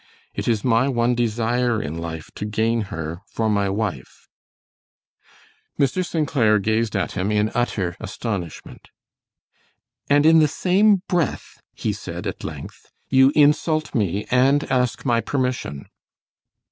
It is my one desire in life to gain her for my wife." Mr. St. Clair gazed at him in utter astonishment. "And in the same breath," he said at length, "you insult me and ask my permission."